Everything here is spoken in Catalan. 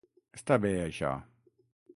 Està bé, això.